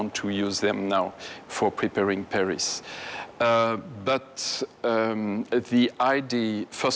เพื่อเฝ้าระวังเปรียส